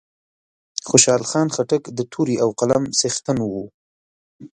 خوشحال خان خټک د تورې او قلم څښتن وو